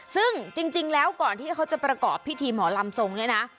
ซึ่งจริงแล้วก่อนที่เขาจะประกอบพิธีหมอลำทรงเนี่ยนะ